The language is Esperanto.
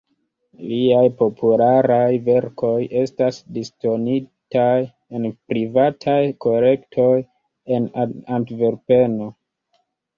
Liaj popularaj verkoj estas disdonitaj en privataj kolektoj en Antverpeno.